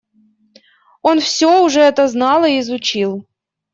Он всё уже это знал и изучил.